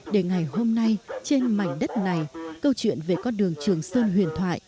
để ngày hôm nay trên mảnh đất này câu chuyện về con đường trường sơn huyền thoại